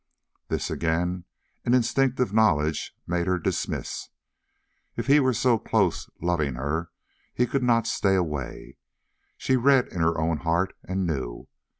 This, again, an instinctive knowledge made her dismiss. If he were so close, loving her, he could not stay away; she read in her own heart, and knew.